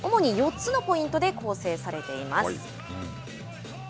主に４つのポイントで構成されています。